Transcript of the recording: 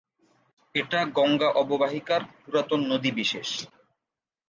এটা গঙ্গা অববাহিকার পুরাতন নদীবিশেষ।